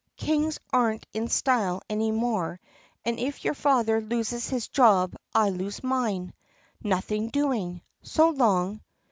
Kings are n't in style any more and if your father loses his job I lose mine. Nothing doing. So long."